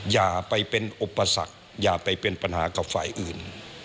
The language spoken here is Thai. อย่าไปเป็นอุปสรรคอย่าไปเป็นปัญหากับฝ่ายอื่น